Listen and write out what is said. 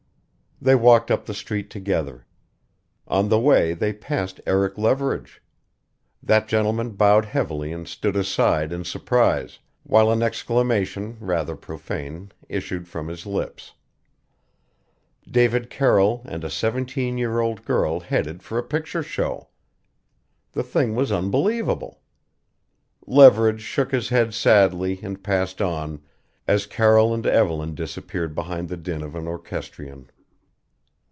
They walked up the street together. On the way they passed Eric Leverage. That gentleman bowed heavily and stood aside in surprise, while an exclamation, rather profane, issued from his lips. David Carroll and a seventeen year old girl headed for a picture show! The thing was unbelievable. Leverage shook his head sadly and passed on as Carroll and Evelyn disappeared behind the din of an orchestrion.